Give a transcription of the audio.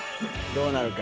どうなるか。